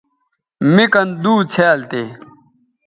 مِ کن دُو څھیال تھے